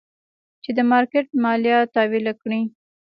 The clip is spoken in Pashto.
چې د مارکېټ ماليه تاويله کي.